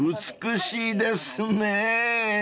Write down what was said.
［美しいですね］